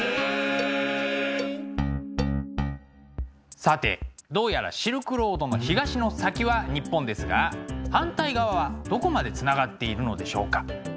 さてどうやらシルクロードの東の先は日本ですが反対側はどこまでつながっているのでしょうか？